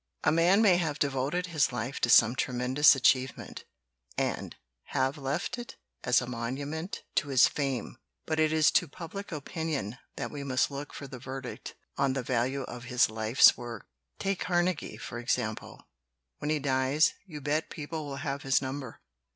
"A man may have devoted his life to some tremendous achievement, and have left it as a monument to his fame. But it is to public opin ion that we must look for the verdict on the value of his life's work. "Take Carnegie, for example; when he dies, you bet people will have his number!